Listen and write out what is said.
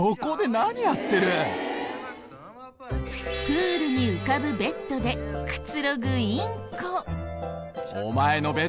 プールに浮かぶベッドでくつろぐインコ。